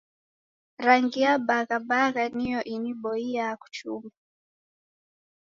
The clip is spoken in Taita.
Rangi ya bagha bagha niyo iniboiaa kuchumba.